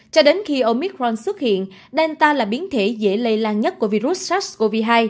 cho đến khi omicron xuất hiện delta là biến thể dễ lây lan nhất của virus sars cov hai